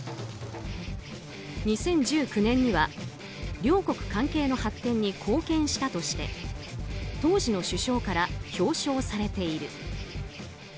２０１９年には、両国関係の発展に貢献したとして当時の首相から表彰されている。